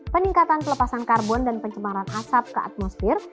peningkatan pelepasan karbon dan pencemaran asap ke atmosfer